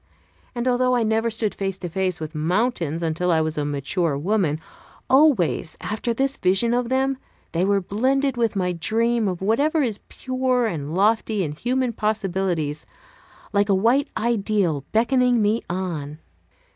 And although I never stood face to face with mountains until I was a mature woman, always, after this vision of them, they were blended with my dream of whatever is pure and lofty in human possibilities, like a white ideal beckoning me on.